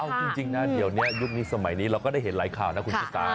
เอาจริงนะเดี๋ยวนี้ยุคนี้สมัยนี้เราก็ได้เห็นหลายข่าวนะคุณชิสา